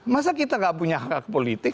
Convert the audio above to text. masa kita enggak punya hak hak politik